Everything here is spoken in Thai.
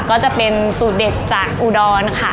ก็จะเป็นสูตรเด็ดจากอุดรค่ะ